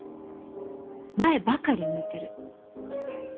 前ばかり向いてる。